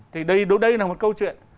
thì đây là một câu chuyện